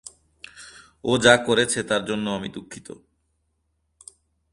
ও যা করেছে তার জন্য আমি দুঃখিত।